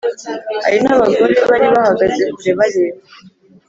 Hari n abagore bari bahagaze kure bareba